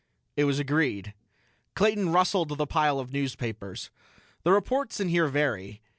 It was agreed. Clayton rustled the pile of newspapers. "The reports in here vary.